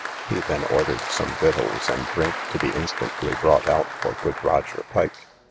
He then ordered some victuals and drink to be instantly brought out for good Roger Pike.